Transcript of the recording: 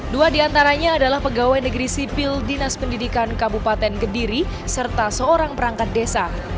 dua diantaranya adalah pegawai negeri sipil dinas pendidikan kabupaten kediri serta seorang perangkat desa